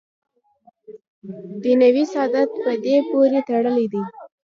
دنیوي سعادت په دې پورې تړلی دی.